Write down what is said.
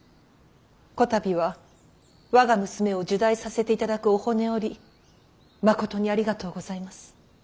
こたびは我が娘を入内させていただくお骨折りまことにありがとうございます。